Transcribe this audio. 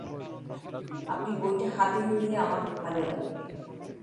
আপনি বইটা হাতে নিলে আমার ভালো লাগবে।